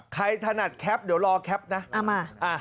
ใครถนัดแคบเดี๋ยวรอแคบนะ